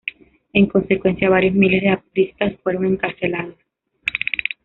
En consecuencia, varios miles de apristas fueron encarcelados.